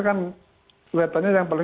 kan suatanya yang berlaku